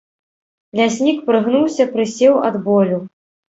Ляснік прыгнуўся, прысеў ад болю.